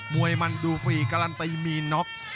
วยมันดูฟรีการันตีมีน็อก